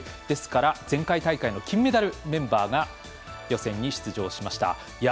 ですから前回大会の金メダルメンバーが予選に出場しました。